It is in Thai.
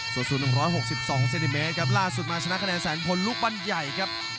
ส่วนสูง๑๖๒เซนติเมตรครับล่าสุดมาชนะคะแนนแสนพลลูกบ้านใหญ่ครับ